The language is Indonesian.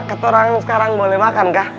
keturang sekarang boleh makan kah